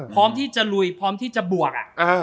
พร้อมที่จะลุยพร้อมที่จะบวก